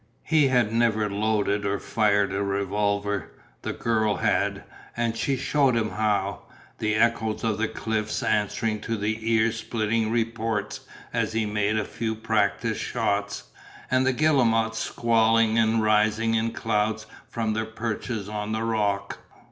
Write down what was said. He had never loaded or fired a revolver; the girl had, and she shewed him how, the echoes of the cliffs answering to the ear splitting reports as he made a few practice shots, and the guillemots squalling and rising in clouds from their perches on the rock.